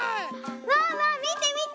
ワンワンみてみて！